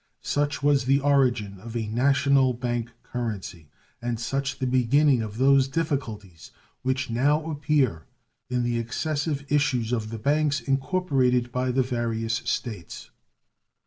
Such was the origin of a national bank currency, and such the beginning of those difficulties which now appear in the excessive issues of the banks incorporated by the various States.